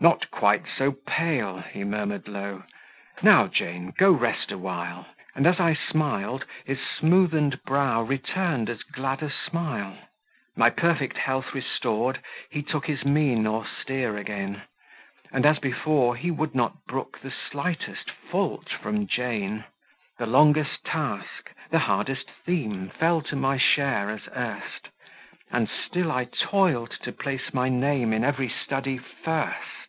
"Not quite so pale," he murmured low. "Now Jane, go rest awhile." And as I smiled, his smoothened brow Returned as glad a smile. My perfect health restored, he took His mien austere again; And, as before, he would not brook The slightest fault from Jane. The longest task, the hardest theme Fell to my share as erst, And still I toiled to place my name In every study first.